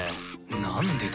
何でだ？